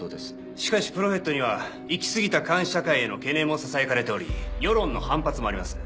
しかしプロフェットにはいき過ぎた監視社会への懸念もささやかれており世論の反発もあります。